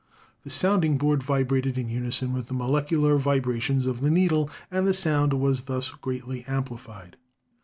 The sounding board vibrated in unison with the molecular vibrations of the needle, and the sound was thus greatly amplified.